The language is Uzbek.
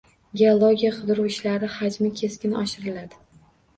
Geologiya-qidiruv ishlari hajmi keskin oshiriladi